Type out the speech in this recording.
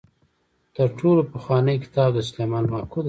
تر ټولو پخوانی کتاب د سلیمان ماکو دی.